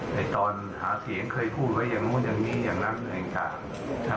ในตอนหาเสียงเคยพูดไว้อย่างนู้นอย่างนี้อย่างนั้นต่าง